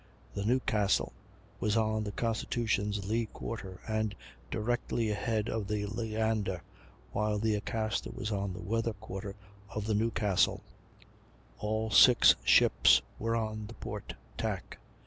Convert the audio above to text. The Newcastle was on the Constitution's lee quarter and directly ahead of the Leander, while the Acasta was on the weather quarter of the Newcastle. All six ships were on the port tack.